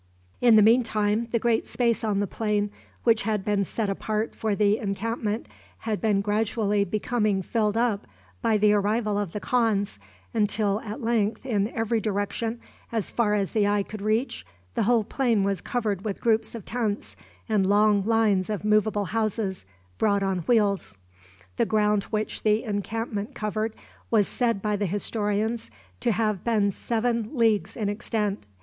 In the mean time, the great space on the plain, which had been set apart for the encampment, had been gradually becoming filled up by the arrival of the khans, until at length, in every direction, as far as the eye could reach, the whole plain was covered with groups of tents and long lines of movable houses, brought on wheels. The ground which the encampment covered was said by the historians to have been seven leagues in extent.